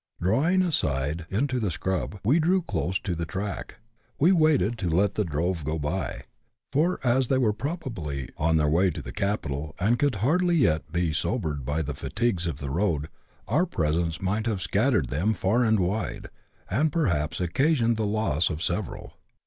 Dniwing aside into the *' scrub " that grew close to the track, we CHAP. XII.] HERD OF HORSES. ins waited to let the drove go by ; for, as they were probably on their way to the capital, and could hardly as yet be sobered by the fatigues of tlu; road, our i)r(?serK!e luif^jjt have scattered them far and wide, and jx'rhniKs occasioned the loss of several.